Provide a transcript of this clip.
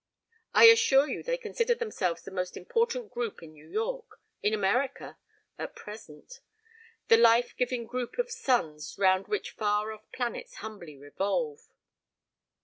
I assure you they consider themselves the most important group in New York in America at present: the life giving group of suns round which far off planets humbly revolve."